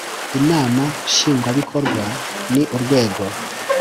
Inama nshingwabikorwa ni urwego